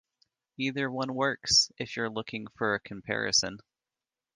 Either one works if you're looking for a comparison.